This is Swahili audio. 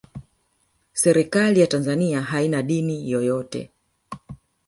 serikali ya tanzania haina dini yoyote